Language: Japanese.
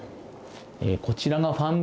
こちらがファン